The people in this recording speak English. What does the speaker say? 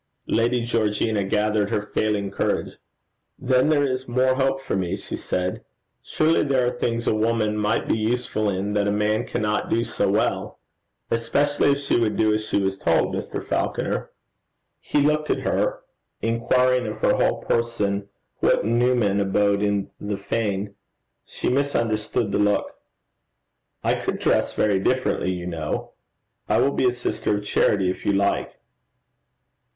Lady Georgina gathered her failing courage. 'Then there is the more hope for me,' she said. 'Surely there are things a woman might be useful in that a man cannot do so well especially if she would do as she was told, Mr. Falconer?' He looked at her, inquiring of her whole person what numen abode in the fane. She misunderstood the look. 'I could dress very differently, you know. I will be a sister of charity, if you like.'